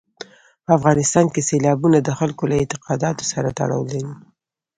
په افغانستان کې سیلابونه د خلکو له اعتقاداتو سره تړاو لري.